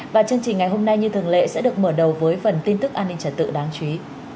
và chương trình ngày hôm nay như thường lệ sẽ được mở đầu với phần tin tức an ninh trật tự đáng chú ý